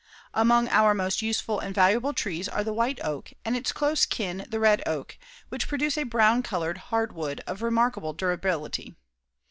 Among our most useful and valuable trees are the white oak, and its close kin, the red oak, which produce a brown colored, hard wood of remarkable durability.